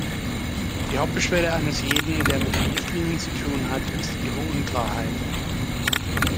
Die Hauptbeschwerde eines jeden, der mit den Richtlinien zu tun hat, ist ihre Unklarheit.